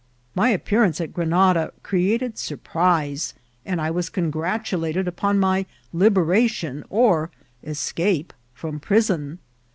My iqppeaiance at Grenada created sar» prise, and I was congratulated upon my liberation or escape from jmson.